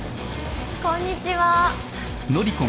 ・こんにちは。